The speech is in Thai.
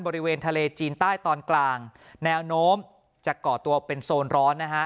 บริเวณทะเลจีนใต้ตอนกลางแนวโน้มจะก่อตัวเป็นโซนร้อนนะฮะ